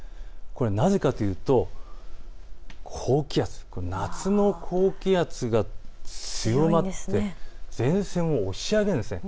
これはなぜかというと高気圧、夏の高気圧が強まって、前線を押し上げるんです。